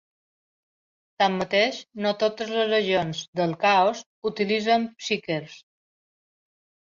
Tanmateix, no totes les legions del Caos utilitzen psykers.